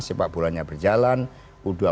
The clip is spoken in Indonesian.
si pak bulan yang lain juga